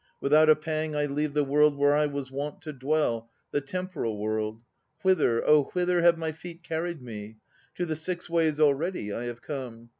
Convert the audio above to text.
Without a pang I leave the world where I was wont to dwell, The Temporal World. Whither, oh whither have my feet carried me? To the Six Ways already I have come.